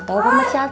ah ternyata ya